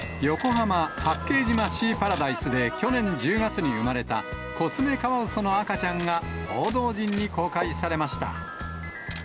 横浜・八景島シーパラダイスで去年１０月に産まれた、コツメカワウソの赤ちゃんが、報道陣に公開されました。